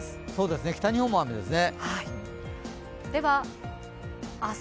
北日本も雨ですね。